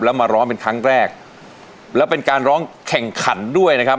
แล้วมาร้องเป็นครั้งแรกแล้วเป็นการร้องแข่งขันด้วยนะครับ